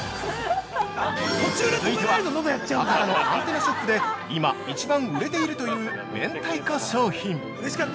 ◆続いては、博多のアンテナショップで今一番売れているという明太子商品。